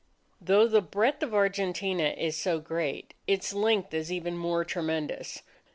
Though the breadth of Argentina is so great, its length is even more tremendous.